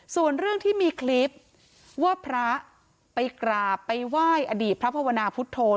ส่วนเรื่องที่มีคลิปว่าพระไปกราบไปไหว้อดีตพระภาวนาพุทธโธ